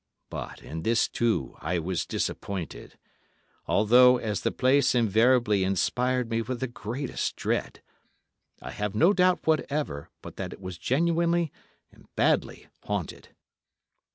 But in this, too, I was disappointed; although, as the place invariably inspired me with the greatest dread, I have no doubt whatever but that it was genuinely and badly haunted.